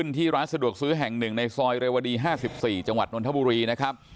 ที่ร้านสะดวกซื้อแห่งหนึ่งในซอยเรวดี๕๔จังหวัดนทบุรีนะครับ